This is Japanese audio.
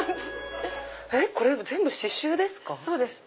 これ全部刺しゅうですか？